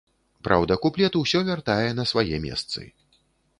Праўда, куплет усё вяртае на свае месцы.